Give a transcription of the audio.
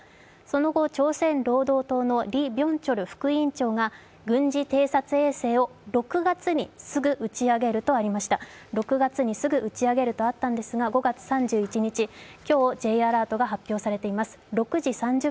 その後、朝鮮労働党のリ・ビョンチョル副委員長が軍事偵察衛星を６月にすぐ打ち上げるとありましたが５月３１日、今日Ｊアラートが発表されています。